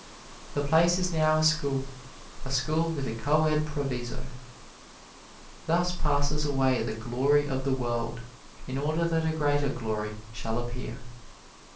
The place is now a school a school with a co ed proviso. Thus passes away the glory of the world, in order that a greater glory shall appear.